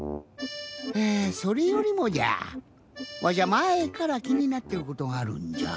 それよりもじゃわしゃまえからきになってることがあるんじゃ。